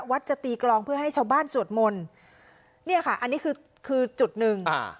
จะตีกลองเพื่อให้ชาวบ้านสวดมนต์เนี่ยค่ะอันนี้คือคือจุดหนึ่งอ่า